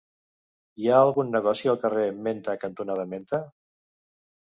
Hi ha algun negoci al carrer Menta cantonada Menta?